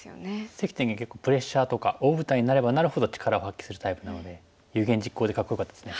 関天元結構プレッシャーとか大舞台になればなるほど力を発揮するタイプなので有言実行でかっこよかったですね。